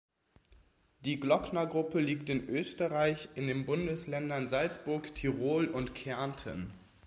Die Glocknergruppe liegt in Österreich in den Bundesländern Salzburg, Tirol und Kärnten.